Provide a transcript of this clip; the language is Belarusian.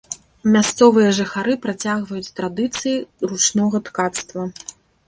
Мясцовыя жыхары працягваюць традыцыі ручнога ткацтва.